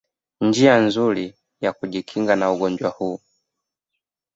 njia nzuri ya kujikinga na ugonjwa huu